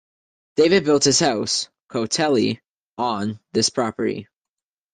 David built his house, Cotele, on this property.